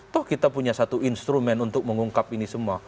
toh kita punya satu instrumen untuk mengungkap ini semua